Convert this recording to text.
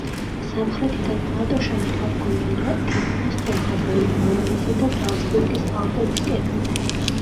სამხრეთიდან პლატო შემოფარგლულია, თითქმის, სწორხაზოვანი ბავარიისა და ზალცბურგის ალპების კედლით.